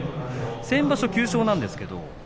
先場所は９勝なんですけれど。